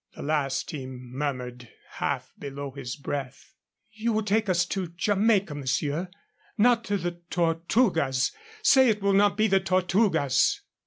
The last he murmured half below his breath. "You will take us to Jamaica, monsieur not the Tortugas say it will not be the Tortugas!"